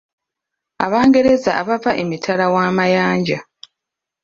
Abangereza abaava emitala w’amayanja.